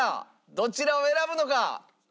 どちらを選ぶのか？